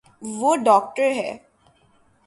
وہ داکٹر ہے